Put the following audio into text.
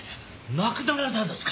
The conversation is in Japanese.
亡くなられたんですか！？